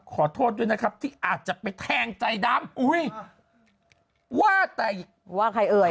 ขอโทษด้วยนะครับที่อาจจะไปแทงใจดำอุ้ยว่าแต่ว่าใครเอ่ย